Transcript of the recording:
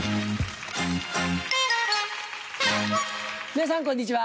皆さんこんにちは。